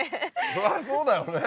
そりゃそうだよね